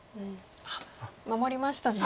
あっ守りましたね。